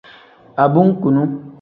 Abunkuni.